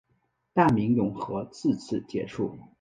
大明永和至此结束。